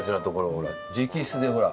ほら直筆でほら。